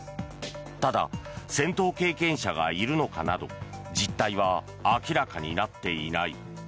ただ、戦闘経験者がいるのかなど実態は明らかになっていない。